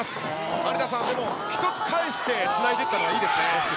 有田さん、でも一つ返して、つないでいったのはいいですね。